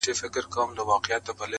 ته پاچا یې خدای درکړی سلطنت دئ!